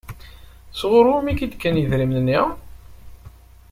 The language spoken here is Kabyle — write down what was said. Sɣur wumi i k-d-kan idrimen-nni?